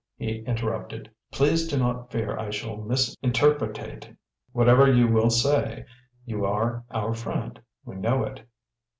he interrupted. "Please do not fear I shall misinterpretate whatever you will say. You are our friend. We know it."